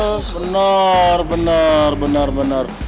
eh benar benar benar benar